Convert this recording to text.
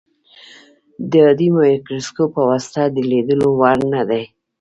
د عادي مایکروسکوپ په واسطه د لیدلو وړ نه دي.